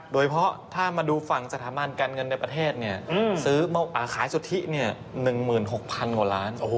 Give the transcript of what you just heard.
โดยเฉพาะถ้ามาดูฝั่งสถาบันการเงินในประเทศซื้อขายสุทธิ๑๖๐๐๐กว่าล้าน